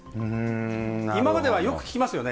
今まではよく聞きますよね。